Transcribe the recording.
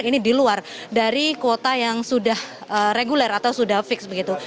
ini di luar dari kuota yang sudah reguler atau sudah fix begitu